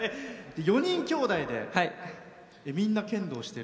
４人きょうだいでみんな剣道してる？